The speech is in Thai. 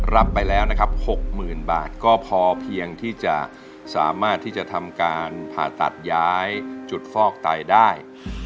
รับไปแล้วนะครับ๖๐๐๐บาทก็พอเพียงที่จะสามารถที่จะทำการผ่าตัดย้ายจุดฟอกไตได้